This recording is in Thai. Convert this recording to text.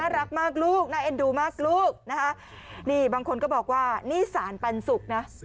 น่ารักมากลูกน่าเอ็ดดูมากลูกบางคนก็บอกว่านี่สารปันสุกนะ